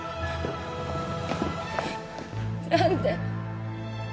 何で？